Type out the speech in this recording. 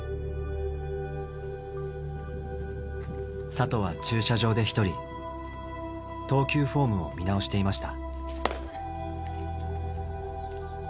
里は駐車場で一人投球フォームを見直していました。